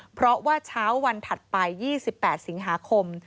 เพราะว่าเช้าวันถัดไป๒๘สิงหาคม